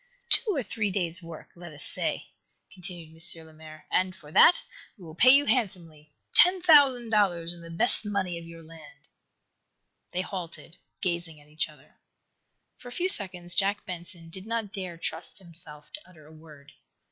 "Two or three days' work, let us say," continued M. Lemaire. "And, for that we will pay you handsomely ten thousand dollars in the best money of your land!" They halted, gazing at each other. For a few seconds Jack Benson did not dare trust himself to utter a word.